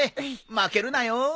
負けるなよ。